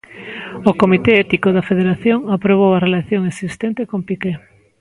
O Comité Ético da Federación aprobou a relación existente con Piqué.